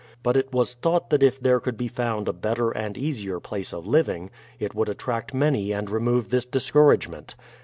But it was thought that if there could be found a better and easier place of living, it would attract many and remove this discouragement.